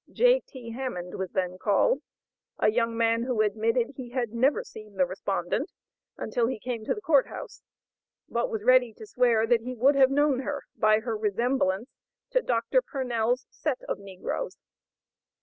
J.T. Hammond was then called, a young man who admitted he had never seen the respondent till he came to the court house, but was ready to swear that he would have known her by her resemblance to Dr. Purnell's set of negroes.